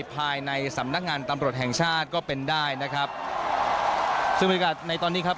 ภายในสำนักงานตำรวจแห่งชาติก็เป็นได้นะครับซึ่งบริการในตอนนี้ครับ